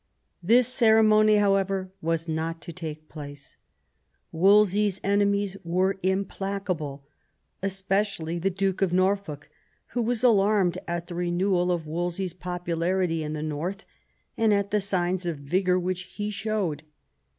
This ceremony, however, was not to take place. Wolsey's enemies were implacable, especially the Duke of Norfolk, who was alarmed at the renewal of Wolse/s popularity in the north, and at the signs of vigour which he showed.